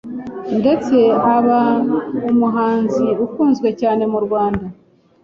ndetse aba umuhanzi ukunzwe cyane mu Rwanda.